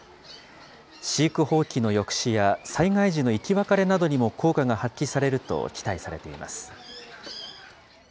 飼育放棄の抑止や、災害時の生き別れなどにも効果が発揮されると期待されています。